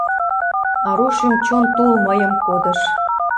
Ару шӱм-чон тул мыйым кодыш.